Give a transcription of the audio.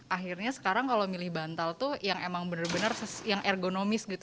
akhirnya sekarang kalau milih bantal itu yang emang benar benar yang ergonomis gitu